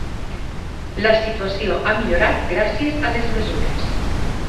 La situació ha millorat gràcies a les mesures.